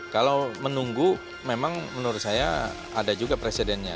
kalau menunggu memang menurut saya ada juga presidennya